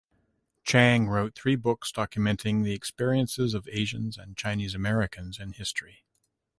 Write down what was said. Chang wrote three books documenting the experiences of Asians and Chinese Americans in history.